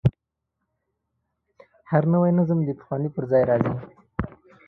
هر نوی نظم د پخواني پر ځای راځي.